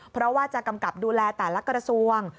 เพราะว่าจะกำกับดูแลแต่ละกระทรวง